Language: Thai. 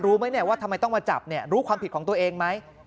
รู้ไหมว่าทำไมต้องมาจับรู้ความผิดของตัวเองไหม